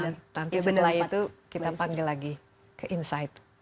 nanti setelah itu kita panggil lagi ke insight